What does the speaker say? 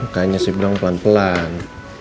makanya sip dong pelan pelan